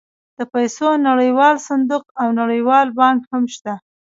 د پیسو نړیوال صندوق او نړیوال بانک هم شته